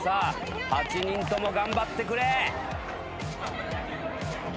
８人とも頑張ってくれ。